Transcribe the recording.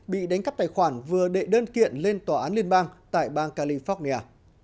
bị đánh cắp tài khoản vừa đệ đơn kiện lên tòa án liên bang tại bang california